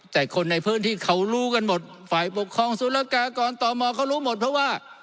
แต่คนในพื้นที่เขารู้กันหมดฝ่ายปกครองสุรกากรตมเขารู้หมดเพราะว่า